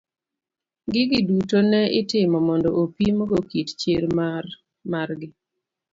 Gigi duto ne itimo mondo opim go kit chir mar gi.